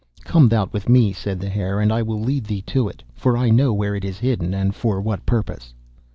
'Come thou with me,' said the Hare, 'and I will lead thee to it, for I know where it is hidden, and for what purpose.